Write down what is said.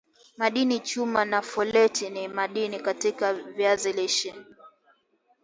madini chuma na foleti ni madini katika viazi lishe